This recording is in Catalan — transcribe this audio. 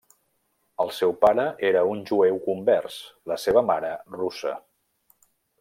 El seu pare era un jueu convers, la seva mare russa.